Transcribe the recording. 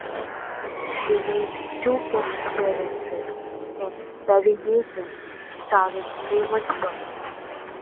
She made two guest appearances in "Perry Mason", starring Raymond Burr.